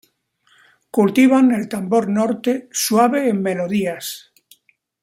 Cultivan el tambor Norte, suave en melodías.